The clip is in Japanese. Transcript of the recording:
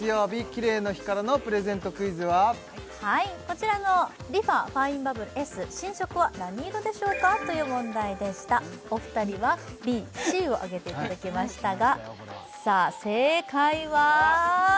キレイの日からのプレゼントクイズははいこちらのリファファインバブルＳ新色は何色でしょうか？という問題でしたお二人はＢＣをあげていただきましたがさあ正解は？